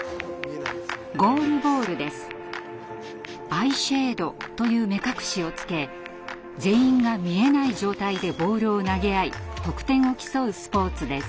アイシェードという目隠しをつけ全員が見えない状態でボールを投げ合い得点を競うスポーツです。